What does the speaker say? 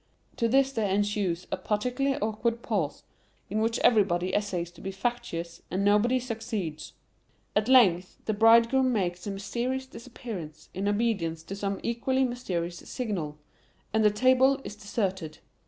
To this there ensues a particularly awkward pause, in which everybody essays to be facetious, and nobody succeeds; at length the bridegroom makes a mysterious disappearance in obedience to some equally mysterious signal; and the table is deserted.